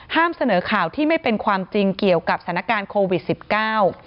เสนอข่าวที่ไม่เป็นความจริงเกี่ยวกับสถานการณ์โควิดสิบเก้า